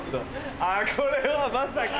あぁこれはまさか。